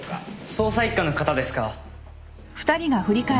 捜査一課の方ですか？